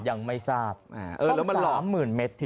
ยังไม่ทราบต้อง๓๐๐๐๐เมตรละเนี่ยเอิ๊ย